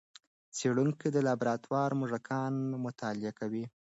څېړونکي د لابراتوار موږکان مطالعه کوي.